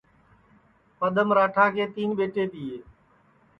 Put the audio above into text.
پدم راٹا کے تین ٻیٹے تیے